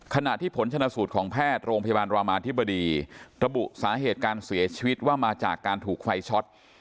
ขณะที่ผลชนะสูตรของแพทย์โรงพยาบาลรามาธิบดีระบุสาเหตุการเสียชีวิตว่ามาจากการถูกไฟช็อต